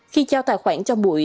khi giao tài khoản cho mụi